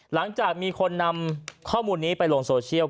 หลังจากมีคนนำข้อมูลนี้ไปลงโซเชียล